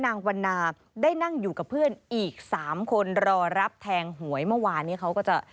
วันนาได้นั่งอยู่กับเพื่อนอีก๓คนรอรับแทงหวยเมื่อวานนี้เขาก็จะ